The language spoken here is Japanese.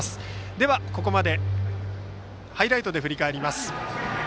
では、ここまでをハイライトで振り返ります。